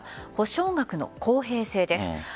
補償額の公平性です。